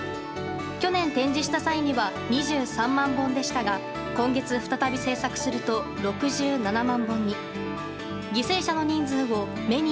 去年、展示した際には２３万本でしたが今月、再び制作すると６７万本に。